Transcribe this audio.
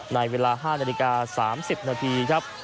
ในเวลา๕นาฬิกา๓๐นาทีครับ